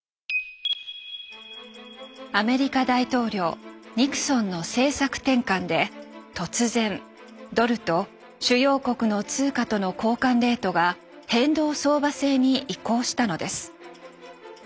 アメリカ大統領ニクソンの政策転換で突然ドルと主要国の通貨との交換レートが変動相場制に移行したのです。